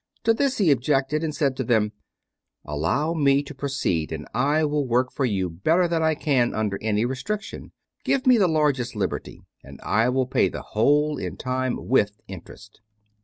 To this he objected, and said to them: "Allow me to proceed, and I will work for you better than I can under any restriction. Give me the largest liberty, and I will pay the whole in time with interest."